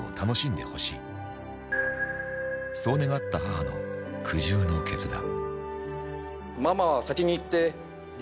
そう願った母の苦渋の決断